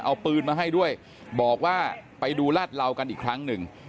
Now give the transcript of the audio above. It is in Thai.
เอาปืนมาให้ด้วยบอกว่าไปดูลาดเหลากันอีกครั้งหนึ่ง